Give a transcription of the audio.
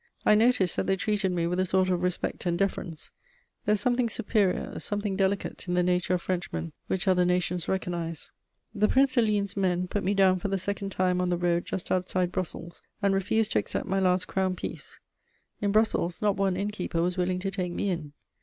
I noticed that they treated me with a sort of respect and deference: there is something superior, something delicate, in the nature of Frenchmen which other nations recognise. The Prince de Ligne's men put me down for the second time on the road just outside Brussels, and refused to accept my last crown piece. In Brussels, not one inn keeper was willing to take me in.